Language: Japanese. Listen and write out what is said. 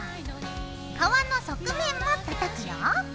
皮の側面も叩くよ。